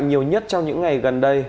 nhiều nhất trong những ngày gần đây